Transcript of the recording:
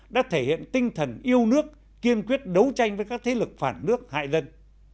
đã thể hiện tinh thần yêu nước kiên quyết đấu tranh với các thế lực phản nước hại dân